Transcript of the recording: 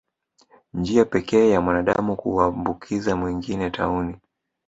Njia pekee ya mwanadamu kumwambukiza mwingine tauni